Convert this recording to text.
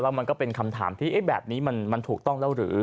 มันก็เป็นคำถามที่แบบนี้มันถูกต้องแล้วหรือ